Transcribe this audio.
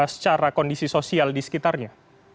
secara kondisi sosial di sekitarnya